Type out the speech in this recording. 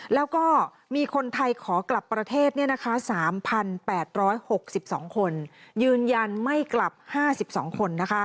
แล้วก็มีคนไทยขอกลับประเทศ๓๘๖๒คนยืนยันไม่กลับ๕๒คน